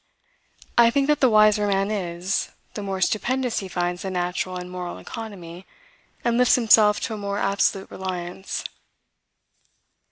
I think that the wiser a man is, the more stupendous he finds the natural and moral economy, and lifts himself to a more absolute reliance.